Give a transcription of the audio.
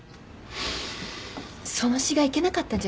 その詩がいけなかったんじゃないですか？